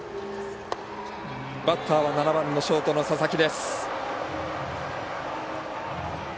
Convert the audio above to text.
バッターは７番、ショートの佐々木。